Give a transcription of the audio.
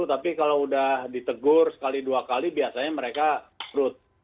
tapi kalau sudah ditegur sekali dua kali biasanya mereka frut